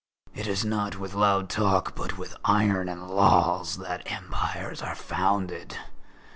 It is not with loud talk but with iron and laws that empires are founded